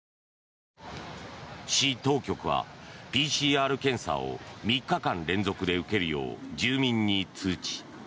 市当局はＰＣＲ検査を３日間連続で受けるよう住民に通知